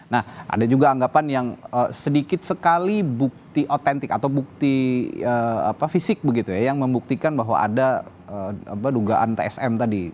nah ada juga anggapan yang sedikit sekali bukti otentik atau bukti fisik begitu ya yang membuktikan bahwa ada dugaan tsm tadi